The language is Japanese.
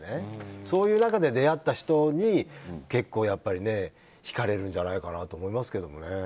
そういう中で出会った人に結構、やっぱり引かれるんじゃないかなと思いますけどもね。